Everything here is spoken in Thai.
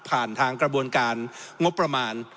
ทางกระบวนการงบประมาณ